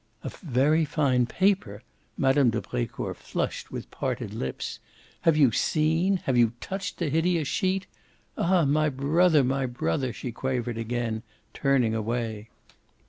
"A very fine paper?" Mme. de Brecourt flushed, with parted lips. "Have you SEEN, have you touched the hideous sheet? Ah my brother, my brother!" she quavered again, turning away.